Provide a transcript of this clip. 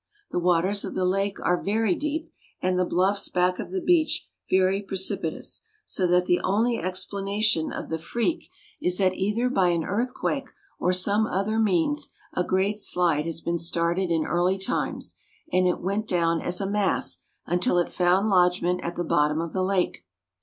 The waters of the lake are very deep, and the bluffs back of the beach very precipitous, so that the only explanation of the freak is that either by an earthquake or some other means a great slide has been started in early times, and it went down as a mass until it found lodgment at the bottom of the lake.